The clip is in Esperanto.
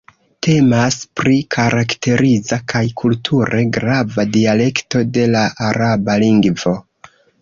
Temas pri karakteriza kaj kulture grava dialekto de la araba lingvo.